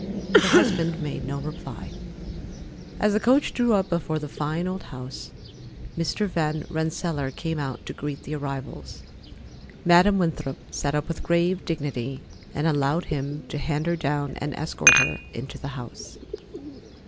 Her husband made no reply. As the coach drew up before the fine old house, Mr. Van Rensselaer came out to greet the arrivals. Madam Winthrop sat up with grave dignity, and allowed him to hand her down and escort her into the house.